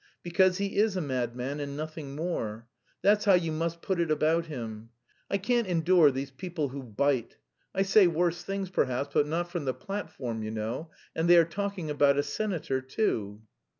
Because he is a madman and nothing more. That's how you must put it about him. I can't endure these people who bite. I say worse things perhaps, but not from the platform, you know. And they are talking about a senator too."